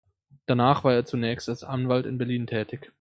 Danach war er zunächst als Anwalt in Berlin tätig.